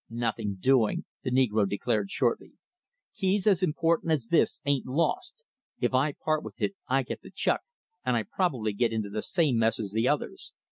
"Nothing doing," the negro declared shortly. "Keys as important as this ain't lost. If I part with it, I get the chuck, and I probably get into the same mess as the others.